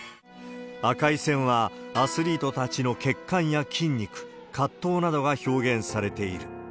赤い線はアスリートたちの血管や筋肉、葛藤などが表現されている。